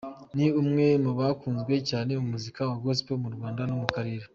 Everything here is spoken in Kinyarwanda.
Ni umwe mu bakunzwe cyane mu muziki wa Gospel mu Rwanda no mu karere.